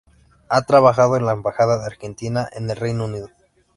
Ha trabajado en la Embajada de Argentina en el Reino Unido.